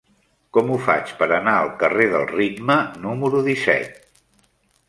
Com ho faig per anar al carrer del Ritme número disset?